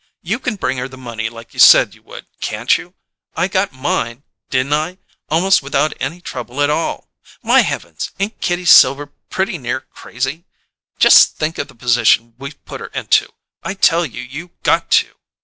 You can bring her the money like you said you would, can't you? I got mine, didn't I, almost without any trouble at all! My Heavens! Ain't Kitty Silver pretty near crazy? Just think of the position we've put her into! I tell you, you got to!"